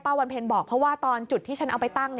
วันเพ็ญบอกเพราะว่าตอนจุดที่ฉันเอาไปตั้ง